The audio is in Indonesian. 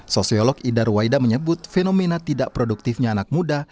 sosiolog idar waida menyebut fenomena tidak produktifnya anak muda